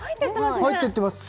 入ってってます